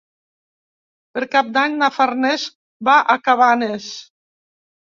Per Cap d'Any na Farners va a Cabanes.